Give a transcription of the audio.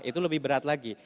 itu lebih berat lagi